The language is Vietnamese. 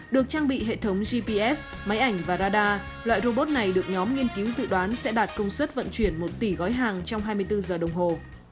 được trang bị hệ thống gps máy ảnh và radar loại robot này được nhóm nghiên cứu dự đoán sẽ đạt công suất vận chuyển một tỷ gói hàng trong hai mươi bốn giờ đồng hồ